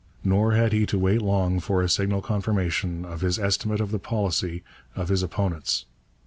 Nor had he to wait long for a signal confirmation of his estimate of the policy of his opponents.